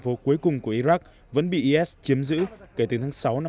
phố cuối cùng của iraq vẫn bị is chiếm giữ kể từ tháng sáu năm hai nghìn hai mươi